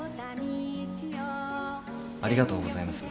ありがとうございます。